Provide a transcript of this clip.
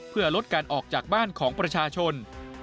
เพื่อลดการออกจากบ้านของประชาชน